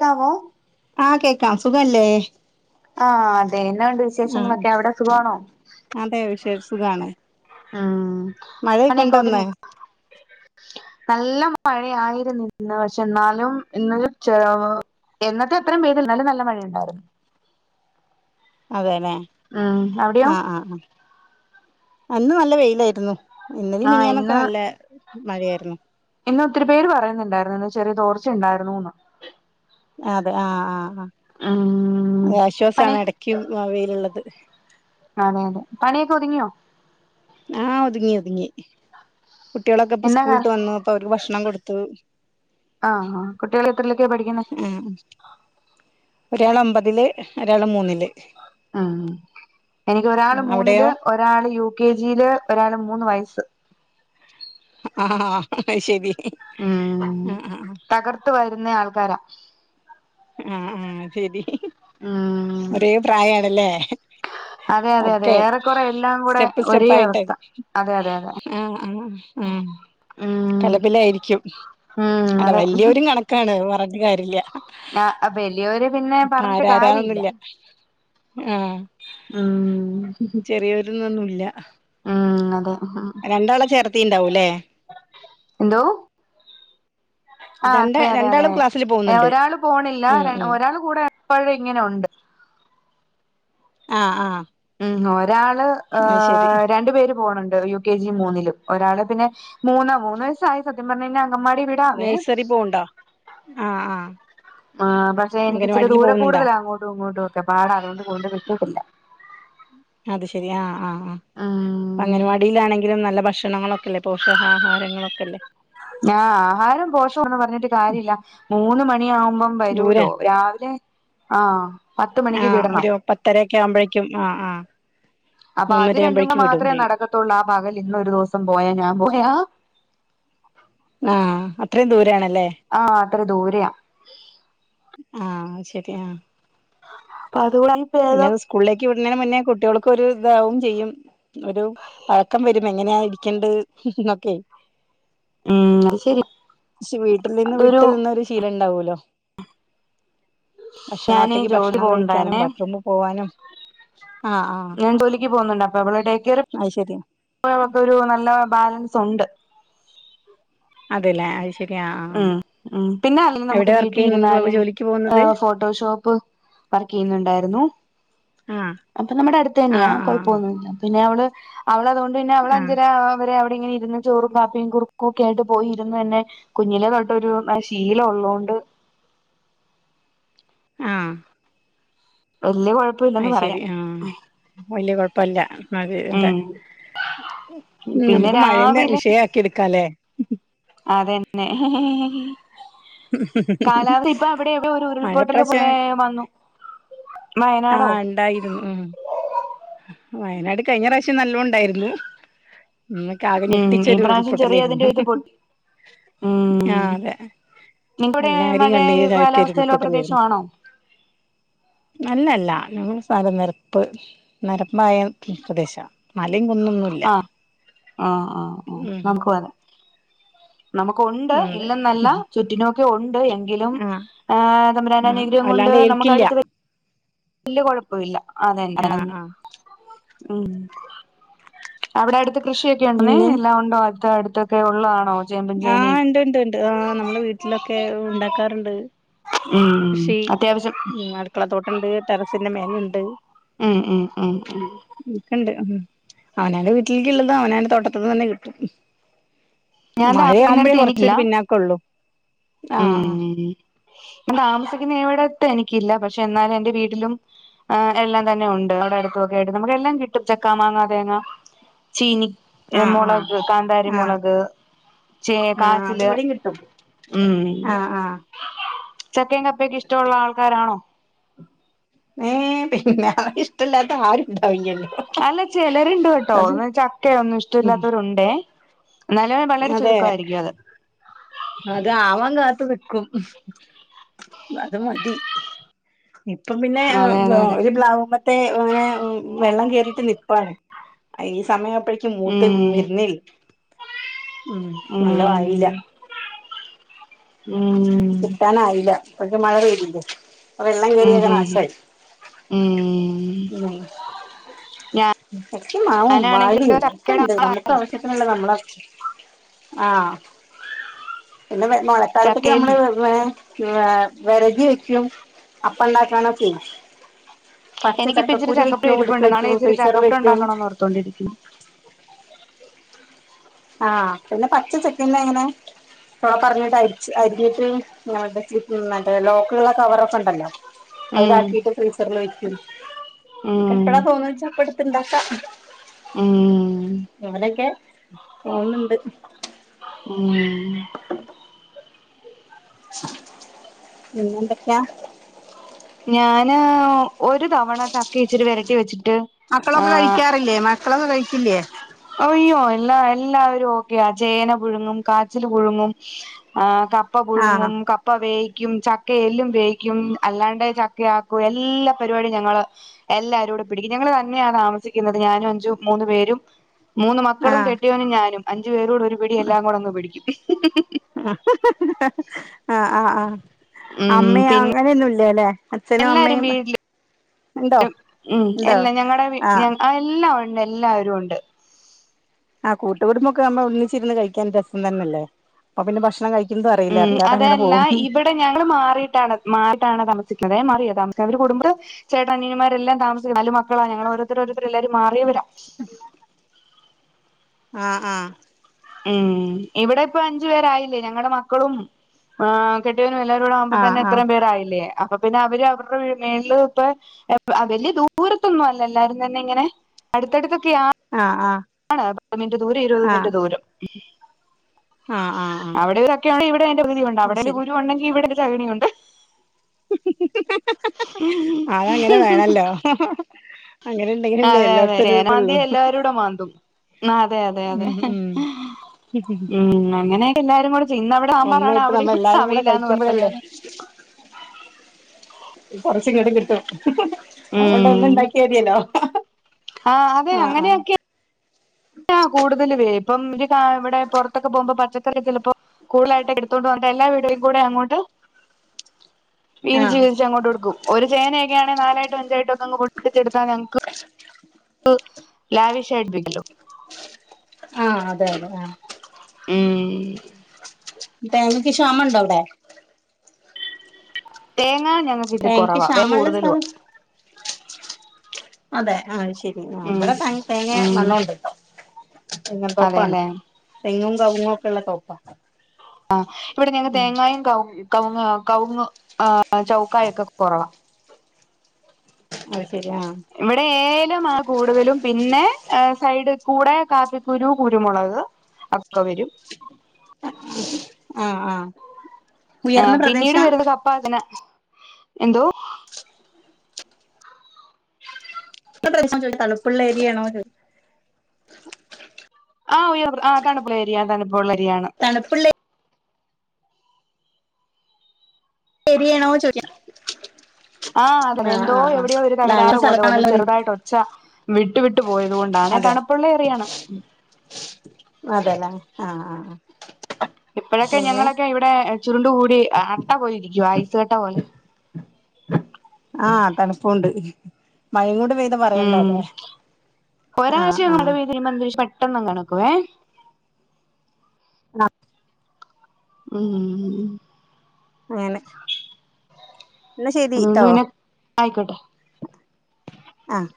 [unintelligible] ആഹ് കേക്കാം സുഖല്ലേ? ആഹ് അതെ എന്നാവുണ്ട് ആഹ് വിശേഷങ്ങളൊക്കെ എവിടെ സുഖമാണോ? അതെ വിശേഷ സുഖാണ് ഉം മഴയൊക്കെ പണി ഒക്കെ ഉണ്ടോന്ന് ഒതുങ്ങിയോ? നല്ല മഴയായിരുന്നു ഇന്ന് പക്ഷെ എന്നാലും ഇന്നൊരു ചെ എന്നത്തെ അത്രയും പെയ്തില്ല എന്നാലും നല്ല മഴയ ഉണ്ടായിരുന്നു അതെല്ലെ ഉം അവിടെയോ ആഹ് ആഹ് ആഹ് അന്ന് നല്ല വെയിലായിരുന്നു ഇന്നലിം ആഹ് മിനിയാനൊക്കെ ഇന്ന് നല്ല മഴയായിരുന്നു. ഇന്ന് ഒത്തിരി പേര് പറയുന്നുണ്ടായിരുന്നു ഇന്ന് ചെറിയ തോർച്ച ഉണ്ടായിരുന്നുന്ന്. അതെ ആഹ് ആഹ് ആഹ് ഉം അ പണി ആശ്വാസമാണ് ഇടയ്ക്കും അവേയിലുള്ളത് അതെയതെ പണിയൊക്കെ ഒതുങ്ങിയോ ആഹ് ഒതുങ്ങി ഒതുങ്ങി കുട്ടികളൊക്കെ ഇപ്പ എന്നാ സ്കൂളട്ട് കറി വന്നു അപ്പൊ അവർക്ക് ഭക്ഷണം കൊടുത്തു ആഹ് ആ കുട്ടികൾ എത്രലക്കെയ പഠിക്കുന്ന ഉം ഒരാള് ഒമ്പതില് ഒരാള് മൂന്നില് ഉം എനിക്ക് ഒരാള് അവിടെയോ മൂന്നില് ഒരാള് യു കെ ജിയില് ഒരാള് മൂന്ന് വയസ്സ് ആഹ് ആയ്ശെരി ഉം തകർത്ത വരുന്ന ആൾക്കാരാ ആഹ് ആഹ് ശരി ഉം ഒരേ പ്രായണല്ലേ അതെ അതെ അതെ ഒക്കെ ഏറെക്കുറെ എല്ലാം കൂടെ സ്റ്റെപ്പ് ഒരേ സ്റ്റെപ്പ ആയിട്ട് അവസ്ഥ അതെ അതെ അതെ ആ ആ ആഹ് ഉം കലപ്പിലയിരിക്കും ഉം അല്ല അതെ വലിയൊരു കണക്ക ണ് പറഞ്ഞട്ട കാര്യില്ല ആ അ വലിയോര് പിന്നെ പറഞ്ഞിട്ട് കാര്യ ഇല്ല [inaudible] ആഹ് ഉം ചെറിയൊരന്നൊന്നുല്ല ഉം അതെ രണ്ടാളെ ചേർത്തിണ്ടാവൂ അല്ലേ എന്തോ ആ രണ്ട് അതെ അതെ അതെ രണ്ടാളും ക്ലാസ്സില് പോകുന്നുണ്ട് ഒരാള് പോണില്ല ഉം ഉം ഒരാള് കൂടെ എപ്പഴും ഇങ്ങനെ ഒണ്ട് ആഹ് ആഹ് മ് ഒരാള് ഏ രണ്ടു പേര് പോണോണ്ട് യു കെ ജി മൂന്നിലും ഒരാള് പിന്നെ മൂന്ന് മൂന്നു വയസായി സത്യം പറഞ്ഞ് കഴിഞ്ഞാ അങ്കമാടി വിടാവേ ആഹ് ആ ആ പക്ഷെ എനിക്ക് ഇച്ചിരി അംഗനവാടില് ദൂരം പോകുന്നുണ്ടോ കൂടുതല അങ്ങോട്ടും ഇങ്ങോട്ടും ഒക്കെ പാടാ അതുകൊണ്ട് കൊണ്ട് വിട്ടിട്ടില്ല അത് ശരി ആ ആ ആ അംഗനവാടിയിലാണെങ്കിലും നല്ല ഭക്ഷണങ്ങളൊ ല്ലേ പോഷകാഹാരങ്ങളൊക്കെല്ലേ ആഹ് ആഹാരം പോഷവാന്ന് പറഞ്ഞിട്ട് കാര്യല്ല മൂന്ന് മണിയാവുമ്പം ദൂരെ വരൂലോ രാവിലെ ആഹ് ആഹ് ഒരു പത്തരൊക്കെ ആവുമ്പഴേക്കും ആഹ് ആഹ് അപ്പൊ അത് മൂന്നര രണ്ടുണം ആവുമ്പോഴേക്കും വിടും മാത്രേ ചെയ്യും നടക്കത്തുള്ളൂ ആ പകൽ ഇന്നൊരു ദിവസം പോയാ ഞാ പോയാ ആഹ് അത്രേം ദൂരെണല്ലേ ആഹ് അത്ര ദൂരെയാ ആഹ് ശരി ആ അതൂടെങ്ങ് പിന്നെ സ്കൂളിലേക്ക് വിടുന്നതിന് മുന്നേ കുട്ടികൾക്കൊരു ഇതാവും ചെയ്യും ഒരു പഴക്കം വരും എങ്ങനെയ ഇരിക്കണ്ട് ന്നൊക്കെ ഉം അത് ശരി ശി വീട്ടിൽ നിന്ന് അതൊരു വിട്ടു നിന്നൊരു ശീലണ്ടാവൂലോ ഞാന് ഭക്ഷണംഒറ്റക്ക് ജോലി ഭക്ഷണം കഴിക്കാനും പോവുണ്ടായിരുന്നേ ബാത്റൂമിൽ പോവാനും ആഹ് ആഹ് ഞന്തോലിക്ക് പോകുന്നുണ്ട് അപ്പൊ വടെ ഡേ കെയർ അത് ശരി ഒക്കെ ഒരു നല്ല ബാലൻസൊണ്ട് അതല്ലേ അയ് ഉം ഉം പിന്നെ അല്ലെങ്കി നമുക്ക് എവിടെ വർക്ക് വീട്ടിൽ ചെയ്യുന്നത് ഇരുന്നാലും ജോലിക്ക് പോകുന്നത് ഫോട്ടോഷോപ്പ് വർക്ക് ചെയ്യുന്നുണ്ടാരുന്നു ആഹ് അപ്പൊ നമ്മുടെ അടുത്ത് തന്നെയാ ആഹ് ആഹ് കൊഴപ്പൊന്നുയില്ല പിന്നെ അവള് അവളതുകൊണ്ട് പിന്നെ ആഹ് അവളഞ്ചര വരെ അവിടെ ഇങ്ങനെ ഇരുന്ന് ചോറും കാപ്പിയും കുറുക്കും ഒക്കെ ആയിട്ട് പോയി ഇരുന്നന്നെ കുഞ്ഞിലെ തൊട്ടൊരു ശീലം ഒള്ളതുകൊണ്ട് ആഹ് വല്ല്യ കൊഴ അത് ശരി ആഹ് വല്ല്യ കൊഴപ്പയില്ല എന്നാ ഉം ആടട്ടെ ഉം പിന്നെ നമുക്ക് മഴ തന്നെ രാവിലെ വിഷയാക്കി എടുക്കായല്ലേ അത് തന്നെ കാലാവസ്ഥ ഇപ്പൊ അവിടെ എവിടെയോ ഒരു മഴ ഉരുൾപൊട്ടല് ഇപ്രാവശ്യം പോലെ വന്നു വയനാടോ ആഹ് ഇണ്ടായിരുന്നു ഉം വയനാട് കഴിഞ്ഞ പ്രാവശ്യം നല്ലോണ്ടായിരുന്നു നമ്മക്ക് ആകെ ഉം ഈ ഞെട്ടിച്ചൊരു പ്രാവശ്യം ചെറിയ ഉൾപൊട്ടലായിരുന്നു അതിന്റെ ഇത് പൊട്ടി ആഹ് ഉം അതെ നിങ്ങടെ എല്ലാരേം മഴ കണ്ണീരിലാഴ്ത്തിയൊരു കാലാവസ്ഥയിലുള്ള ഉൾപൊട്ടലായിരുന്നു പ്രദേശമാണോ അല്ലയല്ല ഞങ്ങടെ സ്ഥലം നെരപ്പ്- നെരപ്പായ പ്രദേശവാ മലയും കുന്നൊന്നും അല്ല ആഹ് ആഹ് ആഹ് നമുക്കൊണ്ട് ഉം അതെ ഇല്ലെന്നല്ല ചുറ്റിനൊക്കെ ഒണ്ട് എങ്കിലും- ആഹ് ആഹ് തമ്പുരാന്റെ ആഹ് അനുഗ്രഹം കൊണ്ട് വല്ലാണ്ട് നമുക്ക് ഏൽക്കില്ല അടുത്ത് വെ വല്ല്യ കൊഴപ്പിയില്ല അതെ അത് ആഹ് തന്നെ ആഹ് ഉം അവിടെ അടുത്ത് കൃഷിയൊക്കെ ഒണ്ടുന്നെ പിന്നെ എല്ലാം ഉണ്ടോ അടുത്ത അടുത്ത് ക്കെ ഒള്ളെയാണോ ആഹ് ഇണ്ട് ഇണ്ട് ഇണ്ട് ആഹ് നമ്മള് വീട്ടിലൊക്കെ ഒണ്ടാക്കാറുണ്ട് ഉം അത്യാവശ്യം ഉം അടുക്കളത്തോട്ടണ്ട് ടെറസിന്റെ മേലയ്ണ്ട് ഉം ഉം ഉം ഉം ഒക്കെണ്ട് ഉം അവനോന്റെ വീട്ടിലേക്കൊള്ളത് അവനോന്റെ തോന്തോട്ടത്ത്ന്ന് തന്നെ കിട്ടും ഞാൻ മഴയാവുമ്പോഴേ താമസിക്കുന്നിടത്ത് കൊറച്ചൊരു എനിക്കില്ല പിന്നാക്കള്ളൂ ആഹ് ഉം ആഹ് ഞാൻ താമസിക്കുന്നിവടത്തെ എനിക്കില്ല പക്ഷെ എന്നാലും എന്റെ വീട്ട്ലും- എല്ലാം തന്നെ ഒണ്ട് അവിടെ അടുത്തുംയൊക്കെ ആയിട്ട് നമുക്ക് എല്ലാം കിട്ടും ചക്കാ മാങ്ങ തേങ്ങ ചീനി ആഹ് ആഹ് മുളക് കാന്താരി ആഹ് ആഹ് മുളക്- ചേ ആഹ് അത് കാച്ചില് ഇവിടെയും കിട്ടും ഉം ആഹ് ആഹ് ചക്കേം കപ്പക്കെ ഇഷ്ടവൊള്ളാൾക്കാരാണോ ഏഹ് പിന്നെ അത് ഇഷ്ടല്ലാത്താരുണ്ടാവില്ല്യല്ലോ അല്ല ചെലര് ഇണ്ട് കെട്ടോ ചക്കേം ഒന്നും ഉം ഇഷ്ടവില്ലാത്തവരൊണ്ടേ എന്നാല് വളരെ അതെ ചുരുക്കവായിരിക്കും അത് അത് ആവാൻ കാത്ത് നിക്കും അത് മതി ഇപ്പം പിന്നെ അതെ അതെ അതെ ഒരു പ്ലാവും - അങ്ങനെ വെള്ളം കേറീട്ട് നിപ്പാണ് ഈ സമയപ്പ ക്ക് മൂത്ത് ഉം വര്നില്ല ഉം നല്ല ഉം വായീല്ല [unintelligible] ഉം കിട്ടാനായീല അപ്പഴേക്കും മഴ പെയ്തില്ലെ ആ വെള്ളം ഉം ഉം കേറിയങ്ങ് ഉം നാശായി ഉം ഞാ ഇക്കേ മാവും വാഴേ ഒക്കെയിണ്ട് ആളാ നമ്മക്ക് ആവിശ്യത്തിനുള്ളത് നമ്മള് - ആഹ് പിന്നെ മഴക്കാലത്തൊക്കെ നമ്മള് ചക്കയിലും ഏഹ് വെറക് വെക്ക്യും അപ്പണ്ടാക്കാനൊക്കെയ് എനിക്ക് ഇപ്പ ഇച്ചിരി വെക്കും എടുത്ത് ചക്കപ്പഴരിപ്പൊണ്ട് നാളെ വെക്കും ഇച്ചിരി ഫ്രീസറിൽ ചക്കപ്പരൊ [unintelligible] വെക്കും ണ്ടാക്കണോന്നോർത്തോണ്ടിരിക്കുവാ ആഹ് പിന്നെ പച്ച ചക്കതന്നെ ഇങ്ങനെ ചൊള പർ [unintelligible] ഞ്ഞ്ട്ട് അര്ച്ച് അര്ഞ്ഞ്ട്ട് [unintelligible] മറ്റേ ലോക്കുകള കവറൊക്കെ ഉണ്ടല്ലോ ഉം അതിലാക്കിട്ട് ഫ്രീസറിൽ വെക്കും നിന്ക്ക് ഉം എപ്പഴാ തോന്ന്ണ് വെച്ചാ അപ്പ എടുത്ത് ഇണ്ടാക്കാം ഉം മോനെക്കെ തോന്ന്ണ്ട് [unintelligible] ഉം പിന്നെ എന്തൊക്കെയാ ഞാന് ഒര് തവണ ചക്ക ഇച്ചിരി വെരട്ടി വെച്ചിട്ട് ആഹ് - കളൊന്നും കഴിക്കില്ല്യേ ഓഅയ്യോ എല്ലാ എല്ലാവരും ഓക്കെയാ ചേന പുഴുങ്ങും കാച്ചിൽ പുഴുങ്ങും ആഹ് കപ്പ ആഹ് പുഴുങ്ങും ക പ്പ വേയ്ക്കും ചക്കേ എല്ലും വേയ്ക്കും അല്ലാണ്ട് ചക്കയാക്കും എല്ലാ പരുവാടിം ഞങ്ങള് എല്ലാരൂടെ പിടിക്കും ഞങ്ങള് തന്നെയാണ് താമസിക്കുന്നത് ഞാനും അഞ്ചും മൂന്ന് പേരും മൂന്ന് മക്കളും ആഹ് കെട്ടിയോനും ഞാനും അഞ്ചു പേരൂടൊര് പിടി എല്ലാം കൂടെ ഒന്ന് പിടിക്കും ആഹ് ആഹ് ആഹ് ഉം അമ്മേം പിന്നെ അങ്ങന്യൊന്നൂല്ലലേ അച്ഛനും എല്ലാരും അമ്മേം വീട്ടില് ഉം എല്ല ഞങ്ങടെ ഞ ആഹ് എല്ലാവൊണ്ട് എല്ലാവരുഒണ്ട് ആഹ് കൂട്ടുകുടുമ്പൊക്കാവുമ്പൊ ഒന്നിച്ചിര്ന്ന് കഴിക്കാൻ രസം തന്നെല്ലേ അപ്പൊ പിന്നെ ഭക്ഷ്ണം കഴി ക്കുമ്പറീല ഉം അറിയാതങ്ങനെ അതല്ല പോവും ഇവിടെ ഞങ്ങള് മാറീട്ടാണ് മാറീട്ടാണ് താമസിക്ക്ന്നതേ മാറ്യാ താമസിക്ക അവര് കുടുംമ്പത്ത് ചേട്ടനനിയന്മാരെല്ലാം തമസിക്ക നാലു മക്കളാ ഞങ്ങളോരോര്ത്തരോരോര്ത്തരെല്ലാരും മാറിയവരാ ആഹ് ആഹ് ഉം ഇവിടെ ഇപ്പൊ അഞ്ച് പേരായില്ലേ ഞങ്ങടെ മക്കളും ആഹ് കെട്ട്യോനും ആഹ് എല്ലാവരൂടാവുമ്പൊത്തന്നെ ഇത്രേം പേരായില്ലേ അപ്പൊ പിന്നെ അവര് അവർറെ വീട്ന് മേള്ല് ഇപ്പെ വെല്യെ ദൂരത്തൊന്നുവല്ല എല്ലാരും തന്നിങ്ങനെ അട്ത്തട്ത്തൊക്കെയാ ആഹ് ആഹ് ആണ് പത്ത് മിൻറ്റ് ദൂരം ഇരുപത് മിൻറ്റ് ആഹ് ദൂരം ആഹ് ആഹ് ആഹ് ആഹ് അവിടൊര് ചക്കയൊണ്ടേ ഇവിടെയയ്ന്റെ പകുതിയൊണ്ട് അത് അവിടൊര് ശരി കുരു ഒണ്ടെങ്കി ഇവിടൊര് ചക്ണിയൊണ്ട് [unintelligible] അതങ്ങനെ വേണല്ലോ [unintelligible] ഉണ്ടെങ്കിലല്ലേ അതെ അതെ എല്ലായിടത്തും ഒരു മാന്ത്യാ ഇതുള്ളൂ എല്ലാവരൂടെ മാന്തും ആഹ് അതെ അതെ അതെ ഉം ഉം മ്ഉം അങ്ങനെയെ എല്ലാരും കൂടെ ചെയ്യുന്നവി സാമ്പാറാണ് ഒന്നായിട്ട് അവിടെ നമ്മ ഇവിടെ എല്ലാരും കൂടെ അവയിലാന്ന് കഴിക്കുമ്പോഴല്ലേ പറഞ്ഞാല് കുറച്ചിങ്ങട്ടും കിട്ടും അത് കൊണ്ട് ഒന്നും ഉം ഇണ്ടാക്കിയമതിയല്ലോ ആ ആഹ് ആഹ് ആഹ് കൂടുതലുംവേ ഇപ്പം ഒരു ഇവിടെ പുറത്തൊക്കെ പോകുമ്പോ പച്ചക്കറി ചെലപ്പോ കൂടുലായിട്ട് എടുത്തോണ്ട് വന്നിട്ട് എല്ലാവിടുകളികൂടെയും അങ്ങോട്ട് [unintelligible] വീതിച്ച് വീതിച്ച്ങ്ങോട്ട് കൊടുക്കും ഒരു ചേനയൊക്കെ ആണെങ്ക നാലായിട്ടും അഞ്ചായിട്ടൊക്കെങ്ങ് പൊട്ടിച്ച് എടുത്താ ഞങ്ങക്ക് ലാവിഷൈഡ് ബിഗിലോ ആഹ് അതെ അതെ ആഹ് മ്ഉം തേങ്ങക്ക് ക്ഷാമംഉണ്ടോ അവിടെ തേങ്ങ ഞങ്ങൾക്ക്ത്തിരി തേങ്ങക്ക് കുറവാ വില ക്ഷാമള്ള കൂടുതലുംവാ സ്ഥലം അതെ ആഹ് ശെരി ആഹ് ഉം ഇവിടെ ഭയ്ന് തേങ്ങേ ഉം നല്ലോണ്ട് ഇപ്പം തെങ്ങും തൊപ്പാണ് അതെല്ലേ തെങ്ങും കവുങ്ങും ഒക്കെ ഉള്ള തൊപ്പാണ് ആഹ് ഇവിടെ ഞങ്ങ തേങ്ങായും കവു കവുങ്ങ് കവുങ്ങ് ആഹ് ചൗക്കായ ഒക്കെ കുറവാ അത് ശരിയാ ആഹ് ഇവിടെ ഏലം ആഹ് കൂടുതലും പിന്നെ ആ സൈഡി കൂടെ കാപ്പിക്കുരു കുരുമുളക് ഒക്ക വരും ആഹ് ആഹ് ഉയർന്ന ആഹ് പിന്നീട് പ്രദേശാ വരുന്നത് കപ്പാ അതിനെ എന്തോ പ്രദേശനം ചോദിക്ക തണുപ്പുള്ള എരിയാണോ അത് ആഹ് ഉയർ ആഹ് തണുപ്പുള്ളെരിയ തണുപ്പുള്ളള്ളെരിയാണ് തണുപ്പുള്ളെ ഏരിയണോ ചോര്യാണം ആഹ് അതെ അതെ എന്തോ എവിടെയോ ഒരു അല്ല തകരാറ് അങ്ങനത്തെ പോലെ വന്നു സ്ഥലത്താണല്ലോ ചെറുതായിട്ട് ഒ ച്ചാ വിട്ടു വിട്ടു പോയത് കൊണ്ടാണേ അതെ തണുപ്പുള്ളേ എറിയാണ് അതെല്ല ആഹ് ആഹ് ആഹ് ഇപ്പോഴൊക്കെ പിന്നെ ഞങ്ങളൊക്കെ ഇവിടെ ചുരുണ്ട് കൂടി അട്ട പോലിരിക്കുവ ഐസ്സുകട്ട പോലെ ആഹ തണുപ്പോണ്ട് മഴ കൂടെ പെയ് ഉം ഉം ഒരാഴ്ച ആഹ് മഴ ആഹ് [unintelligible] പെട്ടന്നങ്ങു തണക്കുവേ ഉം ഉം അങ്ങനെ എന്നാ അതുകൊണ്ട് ശരിട്ടോ പിന്നെ ആയിക്കോട്ടെ ആഹ്